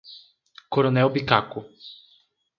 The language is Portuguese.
Coronel Bicaco